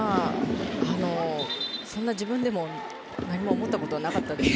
そんな自分でも何も考えたことはないです。